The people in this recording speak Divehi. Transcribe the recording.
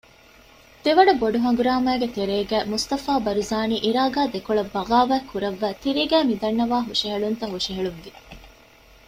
ދެވަނަ ބޮޑު ހަނގުރާމައިގެ ތެރޭގައި މުޞްޠަފާ ބަރުޒާނީ ޢިރާޤާ ދެކޮޅަށް ބަޣާވާތް ކުރައްވައި ތިރީގައި މިދަންނަވާ ހުށަހެޅުންތައް ހުށަހެޅުއްވި